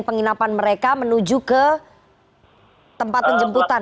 penginapan mereka menuju ke tempat penjemputan